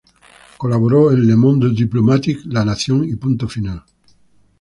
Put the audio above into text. Colaboró en "Le Monde diplomatique", "La Nación" y "Punto Final".